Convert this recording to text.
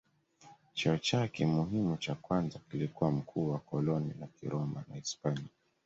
Cheo chake muhimu cha kwanza kilikuwa mkuu wa koloni la Kiroma la Hispania.